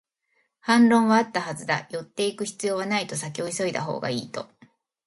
反論はあったはずだ、寄っていく必要はないと、先を急いだほうがいいと